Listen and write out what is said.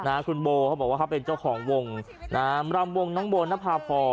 คุณโบเขาบอกว่าเขาเป็นเจ้าของวงนะฮะรำวงน้องโบนภาพร